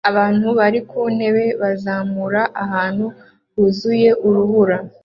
Abantu bari ku ntebe bazamura ahantu huzuye urubura